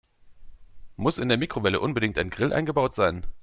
Muss in der Mikrowelle unbedingt ein Grill eingebaut sein?